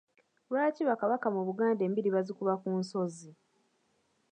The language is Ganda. Lwaki Bakabaka mu Buganda embiri bazikuba ku nsozi?